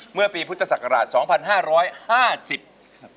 เมื่อปีพุทธศักราช๒๕๕๐